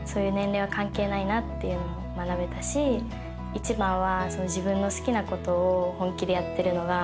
一番は。